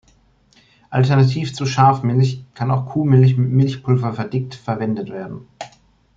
Alternativ zur Schafmilch kann auch Kuhmilch mit Milchpulver verdickt verwendet werden.